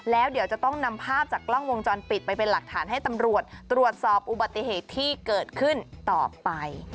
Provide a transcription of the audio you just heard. แล้วเดี๋ยวจะต้องนำภาพจากกล้องวงจรปิดไปเป็นหลักฐานให้ตำรวจตรวจสอบอุบัติเหตุที่เกิดขึ้นต่อไป